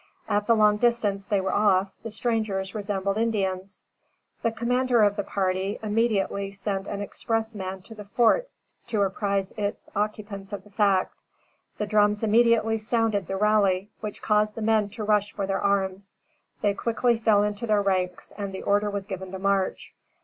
At the long distance they were off, the strangers resembled Indians. The commander of the party, immediately sent an expressman to the fort to apprise its occupants of the fact. The drums immediately sounded the rally, which caused the men to rush for their arms. They quickly fell into their ranks, and the order was given to march.